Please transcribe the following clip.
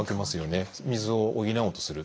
水を補おうとする。